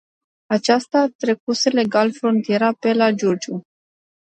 Acesta trecuse legal frontiera pe la Giurgiu.